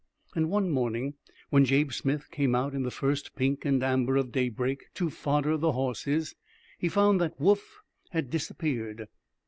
And one morning, when Jabe Smith came out in the first pink and amber of daybreak to fodder the horses, he found that Woof had disappeared.